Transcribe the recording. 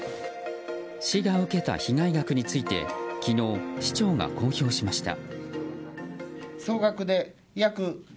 市が受けた被害額について昨日、市長が公表しました。